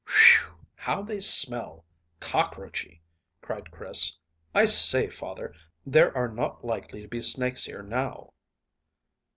"Phew! How they smell! Cockroachy," cried Chris. "I say, father, there are not likely to be snakes here now."